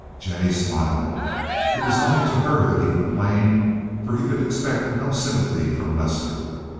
Jennie smiled. It was only to her that he complained, for he could expect no sympathy from' Lester.